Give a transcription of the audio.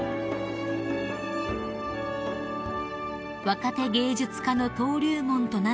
［若手芸術家の登竜門となっている